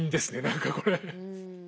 何かこれ。